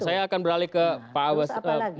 saya akan beralih ke pak abas